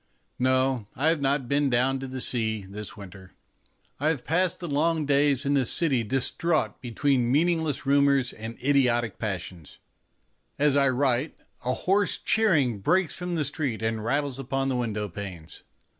No, I have not been down to the sea this winter. I have passed the long days in a city distraught between meaningless rumours and idiotic passions. As I write a hoarse cheering breaks from the street and rattles upon the window panes.